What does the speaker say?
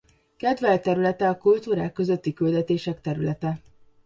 Kedvelt területe a kultúrák közötti küldetések területe.